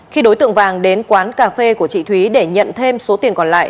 khi đối tượng vàng đến quán cà phê của chị thúy để nhận thêm số tiền còn lại